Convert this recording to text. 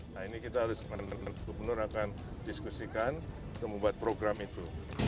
nah ini kita harus gubernur akan diskusikan untuk membuat program itu